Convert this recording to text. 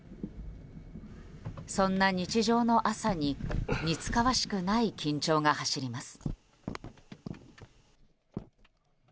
そんな日常の朝に似つかわしくない緊張が走ります。